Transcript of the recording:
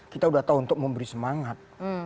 kita udah tahu untuk memberi semangat